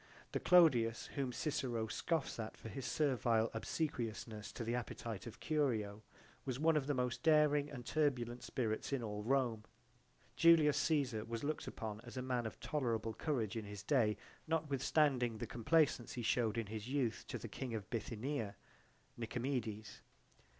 The Clodius whom Cicero scoffs at for his servile obsequiousness to the appetite of Curio was one of the most daring and turbulent spirits in all Rome. Julius Caesar was looked upon as a man of tolerable courage in his day, notwithstanding the complaisance he showed in his youth to the King of Bithynia, Nicomedes.